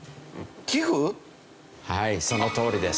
はいそのとおりです。